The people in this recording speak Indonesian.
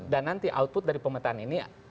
nanti output dari pemetaan ini